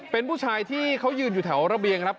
เป็นผู้ชายที่เขายืนอยู่แถวระเบียงครับ